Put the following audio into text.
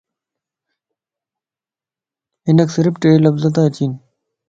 ھنک صرف ٽي لفظ تا اچين